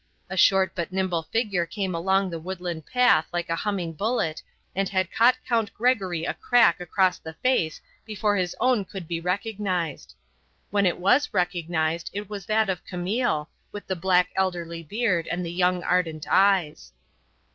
A short but nimble figure came along the woodland path like a humming bullet and had caught Count Gregory a crack across the face before his own could be recognized. When it was recognized it was that of Camille, with the black elderly beard and the young ardent eyes.